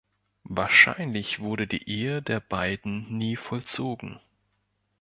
Wahrscheinlich wurde die Ehe der beiden nie vollzogen.